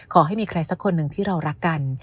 ขอให้มีใครสักคนหนึ่งที่เรารักกัน